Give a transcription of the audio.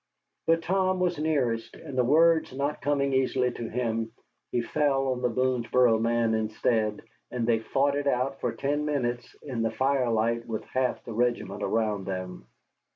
But Tom was nearest, and words not coming easily to him he fell on the Boonesboro man instead, and they fought it out for ten minutes in the firelight with half the regiment around them.